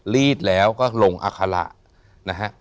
รีดแล้วก็ลงอาคาระนะฮะ